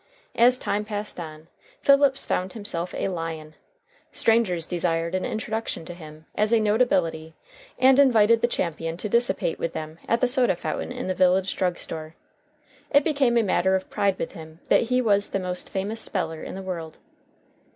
As time passed on, Phillips found himself a lion. Strangers desired an introduction to him as a notability, and invited the champion to dissipate with them at the soda fountain in the village drug store. It became a matter of pride with him that he was the most famous speller in the world.